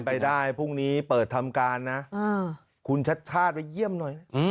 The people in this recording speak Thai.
ไปได้พรุ่งนี้เปิดทำการนะคุณชัดชาติไปเยี่ยมหน่อย